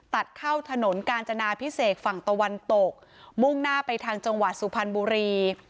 ตัดเข้าถนนกาญจนาพิเศษฝั่งตะวันตกมุ่งหน้าไปทางจังหวัดสุพรรณบุรี